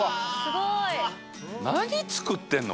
何作ってんの？